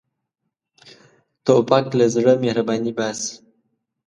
توپک له زړه مهرباني باسي.